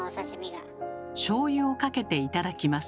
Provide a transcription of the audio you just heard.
しょうゆをかけて頂きます。